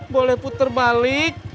boleh puter balik